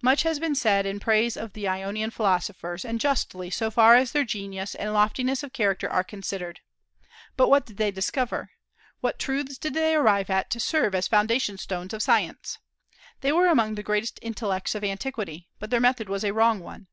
Much, has been said in praise of the Ionian philosophers; and justly, so far as their genius and loftiness of character are considered. But what did they discover? What truths did they arrive at to serve as foundation stones of science? They were among the greatest intellects of antiquity. But their method was a wrong one.